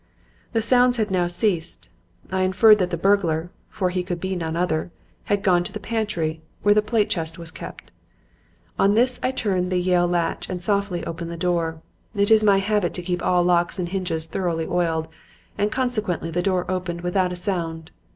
"The sounds had now ceased. I inferred that the burglar for he could be none other had gone to the pantry, where the plate chest was kept. On this I turned the Yale latch and softly opened the door. It is my habit to keep all locks and hinges thoroughly oiled, and consequently the door opened without a sound.